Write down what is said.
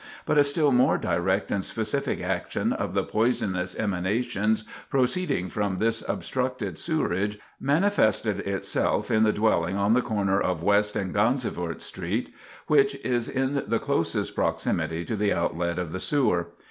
But a still more direct and specific action of the poisonous emanations proceeding from this obstructed sewerage, manifested itself in the dwelling on the corner of West and Gansevoort streets, which is in the closest proximity to the outlet of the sewer.